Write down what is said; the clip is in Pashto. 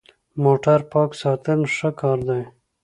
موټر پاک ساتل ښه کار دی.